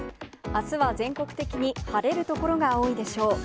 あすは全国的に晴れる所が多いでしょう。